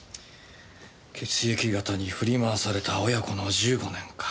「血液型に振り回された親子の十五年」か。